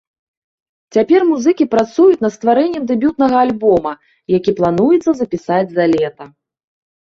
Цяпер музыкі працуюць на стварэннем дэбютнага альбома, які плануецца запісаць за лета.